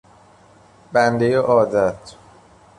بندهی عادت